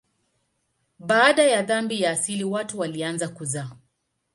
Baada ya dhambi ya asili watu walianza kuzaa.